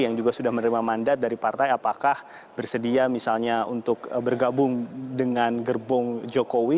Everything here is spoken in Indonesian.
yang juga sudah menerima mandat dari partai apakah bersedia misalnya untuk bergabung dengan gerbong jokowi